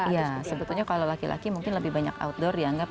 iya sebetulnya kalau laki laki mungkin lebih banyak outdoor dianggap